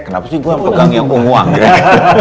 kenapa sih gua yang pegang yang ungu anggrek